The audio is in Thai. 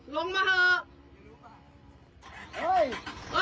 ลงมาเถอะ